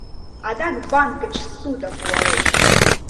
Адак банк гыч ссуда пуалеш.